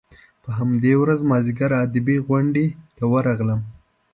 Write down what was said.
په همدې ورځ مازیګر ادبي غونډې ته ورغلم.